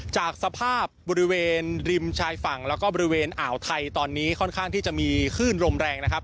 จากสภาพบริเวณริมชายฝั่งแล้วก็บริเวณอ่าวไทยตอนนี้ค่อนข้างที่จะมีคลื่นลมแรงนะครับ